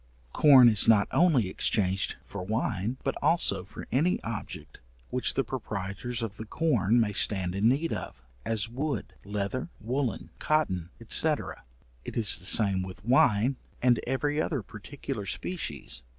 Corn is not only exchanged for wine, but also for any object which the proprietors of the corn may stand in need of as wood, leather, woollen, cotton, &c. it is the same with wine and every other particular species.